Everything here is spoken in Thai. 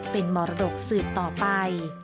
เป็นมรดกสืบต่อไป